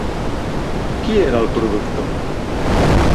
Qui era el productor?